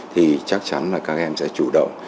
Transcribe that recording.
thì chắc chắn là các em sẽ chủ động